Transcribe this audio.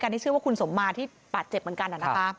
ที่ชื่อว่าคุณสมมาที่บาดเจ็บเหมือนกัน